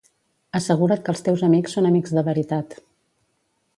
Assegura't que els teus amics són amics de veritat.